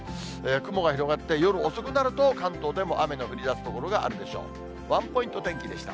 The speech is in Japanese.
雲が広がって、夜遅くなると、関東でも雨の降りだす所があるでしょう。